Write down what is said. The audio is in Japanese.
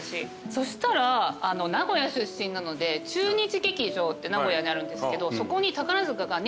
そしたら名古屋出身なので中日劇場って名古屋にあるんですけどそこに。